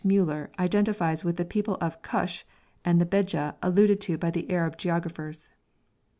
Müller identifies with the people of Kush and the Bedja alluded to by the Arab geographers.